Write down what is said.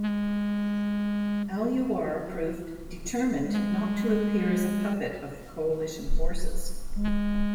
Al-Yawar proved determined not to appear as a puppet of the Coalition forces.